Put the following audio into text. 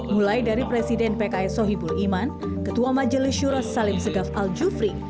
mulai dari presiden pks sohibul iman ketua majelis syuro salim segaf al jufri